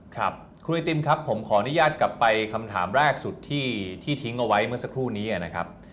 ครับครูไอติมครับผมขออนุญาตกลับไปคำถามแรกสุดที่ทิ้งเอาไว้เมื่อสักครู่นี้นะครับ